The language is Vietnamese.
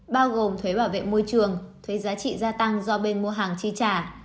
bao gồm thuế bảo vệ môi trường thuế giá trị gia tăng do bên mua hàng chi trả